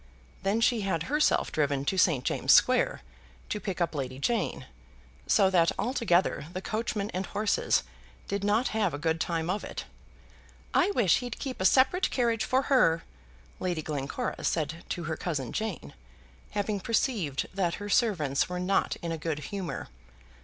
Then she had herself driven to St. James's Square, to pick up Lady Jane, so that altogether the coachman and horses did not have a good time of it. "I wish he'd keep a separate carriage for her," Lady Glencora said to her cousin Jane, having perceived that her servants were not in a good humour.